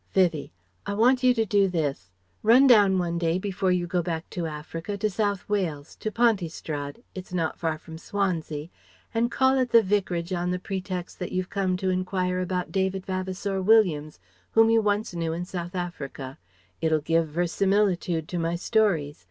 Vivie: "I want you to do this. Run down one day before you go back to Africa, to South Wales, to Pontystrad It's not far from Swansea And call at the Vicarage on the pretext that you've come to enquire about David Vavasour Williams whom you once knew in South Africa. It'll give verisimilitude to my stories.